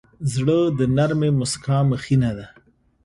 زړه د نرمې موسکا مخینه ده.